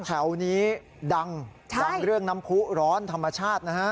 แถวนี้ดังดังเรื่องน้ำผู้ร้อนธรรมชาตินะฮะ